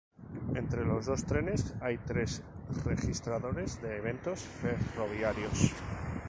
Entre los dos trenes hay tres registradores de eventos ferroviarios.